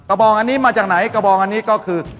บองอันนี้มาจากไหนกระบองอันนี้ก็คือ